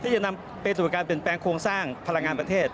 จะนำไปสู่การเปลี่ยนแปลงโครงสร้างพลังงานประเทศ